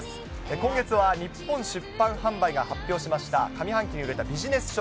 今月は日本出版販売が発表しました上半期に売れたビジネス書